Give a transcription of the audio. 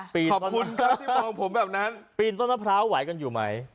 ค่ะขอบคุณที่ปลงผมแบบนั้นปีนต้นมะพร้าวไว้กันอยู่ไหม